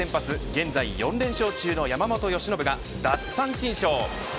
現在４連勝中の山本由伸が奪三振ショー。